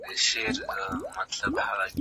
ابن خلدون په نړۍ کي پېژندل سوې څېره ده.